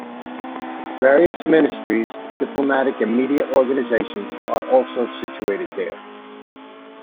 Various ministries, diplomatic and media organizations are also situated there.